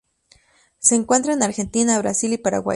Se encuentra en Argentina, Brasil y Paraguay.